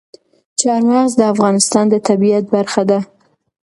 چار مغز د افغانستان د طبیعت برخه ده.